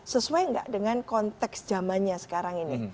sesuai nggak dengan konteks zamannya sekarang ini